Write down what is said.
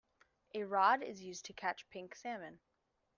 A rod is used to catch pink salmon.